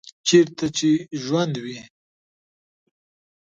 چیرته چې ژوند وي